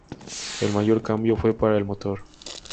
El mayor cambio fue para el motor.